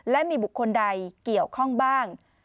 และมีบุคคลใดเกี่ยวข้องบ้าง